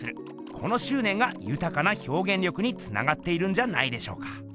このしゅうねんがゆたかなひょうげん力につながっているんじゃないでしょうか。